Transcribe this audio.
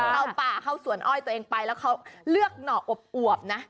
เข้าป่าเข้าสวนอ้อยตัวเองไปแล้วเขาเลือกหน่ออวบนะ